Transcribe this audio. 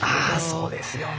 そうですよね。